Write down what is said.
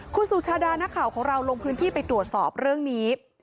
คุณสุชาดานักข่าวของเราลงพื้นที่ไปตรวจสอบเรื่องนี้